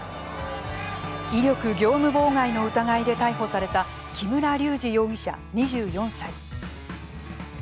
威力業務妨害の疑いで逮捕された木村隆二容疑者、２４歳。